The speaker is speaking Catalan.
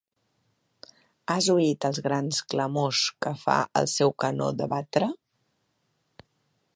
Has oït els grans clamors que fa el seu canó de batre?